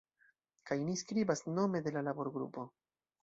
Kaj ni skribas nome de la laborgrupo.